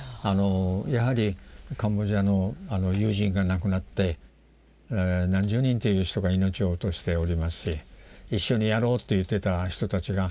やはりカンボジアの友人が亡くなって何十人という人が命を落としておりますし一緒にやろうと言ってた人たちが。